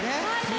はい。